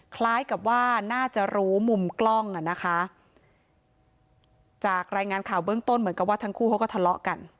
คล้ายกับว่าน่าจะรู้มุมกล้องอ่ะนะคะจากรายงานข่าวเบื้องต้นเหมือนกับว่าทั้งคู่เขาก็ทะเลาะกัน